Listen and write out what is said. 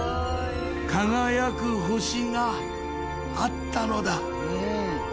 輝く星があったのだ